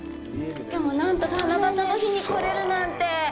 きょうはなんと七夕の日に来れるなんて。